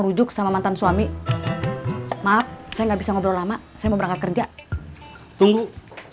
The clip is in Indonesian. rujuk sama mantan suami maaf saya nggak bisa ngobrol lama saya mau berangkat kerja tunggu